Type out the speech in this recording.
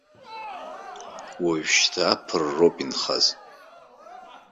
Уажәшьҭа аԥырроуп инхаз.